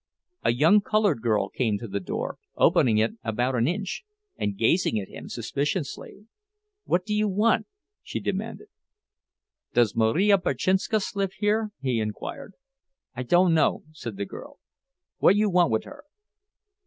A young colored girl came to the door, opening it about an inch, and gazing at him suspiciously. "What do you want?" she demanded. "Does Marija Berczynskas live here?" he inquired. "I dunno," said the girl. "What you want wid her?"